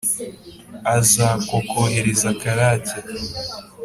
aza ko kohereza karake